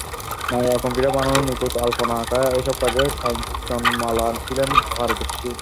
নানা রকমের পিঠা বানানো, নিখুঁত আলপনা আঁঁকা—এসব কাজে কাঞ্চনমালা ছিলেন পারদর্শী।